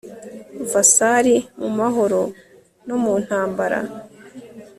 Vassal mu mahoro no mu ntambara